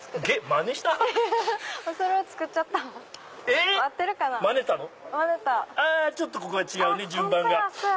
マネたの⁉ちょっとここが違うね順番が。